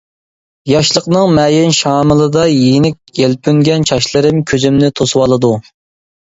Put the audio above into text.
ياشلىقنىڭ مەيىن شامىلىدا يېنىك يەلپۈنگەن چاچلىرىم كۆزۈمنى توسۇۋالىدۇ.